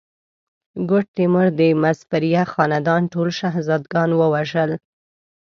ګوډ تیمور د مظفریه خاندان ټول شهزاده ګان ووژل.